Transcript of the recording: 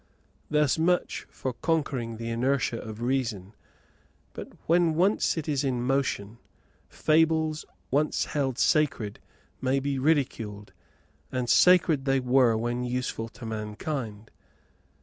Thus much for conquering the inertia of reason; but, when it is once in motion, fables once held sacred may be ridiculed; and sacred they were when useful to mankind.